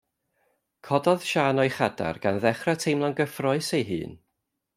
Cododd Siân o'i chadair gan ddechrau teimlo'n gyffrous ei hun.